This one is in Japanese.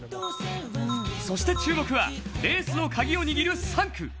そして注目はエースの鍵を握る３区。